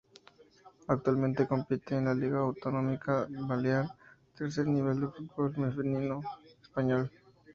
Actualmente compite en la Liga Autonómica balear, tercer nivel del fútbol femenino español.